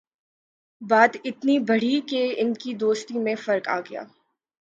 بات اتنی بڑھی کہ ان کی دوستی میں فرق آگیا